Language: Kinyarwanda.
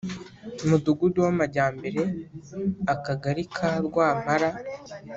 Mudugudu w amajyambere akagari ka rwampara